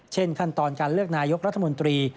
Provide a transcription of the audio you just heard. ขั้นตอนการเลือกนายกรัฐมนตรี